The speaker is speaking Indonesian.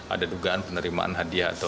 ada dugaan penerimaan hadiah atau